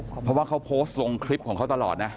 เพราะว่าเขาโพสต์ลงคลิปของเขาตลอดนะ